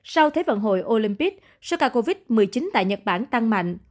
sau thế vận hội olympic số ca covid một mươi chín tại nhật bản tăng mạnh